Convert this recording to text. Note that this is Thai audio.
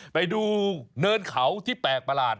ไปดูเนินเขาที่แปลกประหลาด